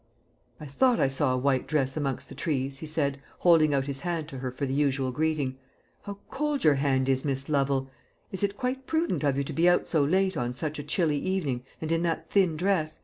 "I thought I saw a white dress amongst the trees," he said, holding out his hand to her for the usual greeting. "How cold your hand is, Miss Lovel! Is it quite prudent of you to be out so late on such a chilly evening, and in that thin dress?